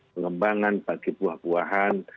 pengembangan bagi buah buahan